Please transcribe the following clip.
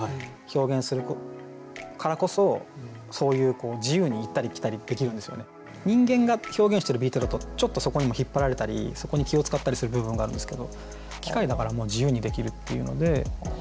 これ打ち込みのビートなので人間が表現してるビートだとちょっとそこにも引っ張られたりそこに気を遣ったりする部分があるんですけど機械だからもう自由にできるっていうので。